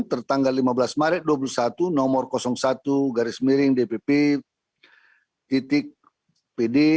tertanggal lima belas maret dua puluh satu nomor satu garis miring dpp titik pd